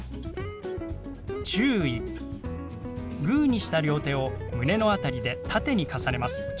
グーにした両手を胸の辺りで縦に重ねます。